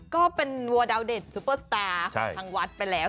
ก็เป็นวัวดาวเด็ดซุปเปอร์สตาร์ของทางวัดไปแล้ว